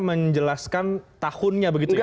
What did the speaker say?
menjelaskan tahunnya begitu ya